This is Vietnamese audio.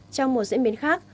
trong một diễn biến khác